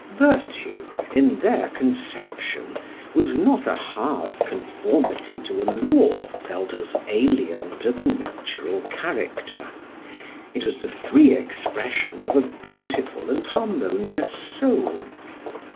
Virtue, in their conception, was not a hard conformity to a law felt as alien to the natural character; it was the free expression of a beautiful and harmonious soul.